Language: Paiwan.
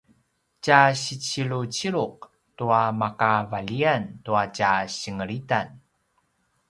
tja siciluciluq tua makavaljayan tua tja singelitan